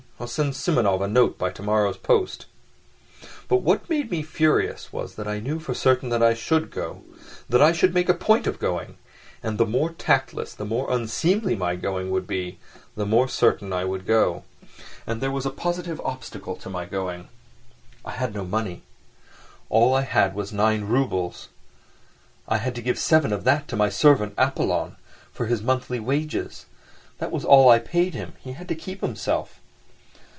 I'll send Simonov a note by tomorrow's post...." But what made me furious was that I knew for certain that I should go, that I should make a point of going; and the more tactless, the more unseemly my going would be, the more certainly I would go. And there was a positive obstacle to my going: I had no money. All I had was nine roubles, I had to give seven of that to my servant, Apollon, for his monthly wages. That was all I paid him—he had to keep himself.